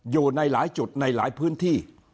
อยู่ในหลายจุดในหลายพื้นที่